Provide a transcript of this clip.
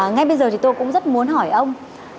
ngay bây giờ thì tôi cũng rất muốn hỏi ông